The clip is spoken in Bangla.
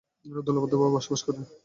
এরা দলবদ্ধভাবে বসবাস করে।